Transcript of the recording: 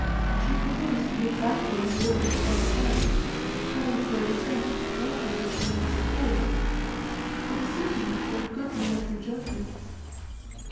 She proposed to give battle on the river's farther bank, having for a defence its waters which we must ford, a decision that showed good military judgment.